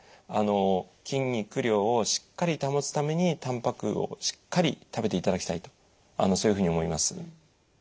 あの筋肉量をしっかり保つためにたんぱくをしっかり食べていただきたいとそういうふうに思います。